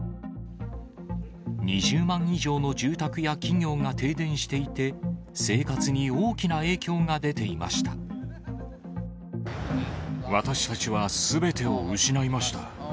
２０万以上の住宅や企業が停電していて、生活に大きな影響が出て私たちはすべてを失いました。